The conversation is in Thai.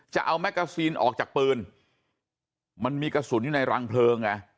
แกซีนออกจากปืนมันมีกระสุนอยู่ในรังเพลิงไง